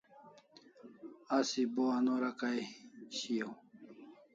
Asi bo anora Kai shiau